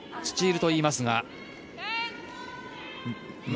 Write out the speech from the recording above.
スチールといいますが。